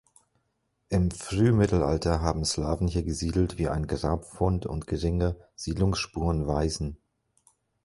Im Frühmittelalter haben Slawen hier gesiedelt, wie ein Grabfund und geringe Siedlungsspuren weisen.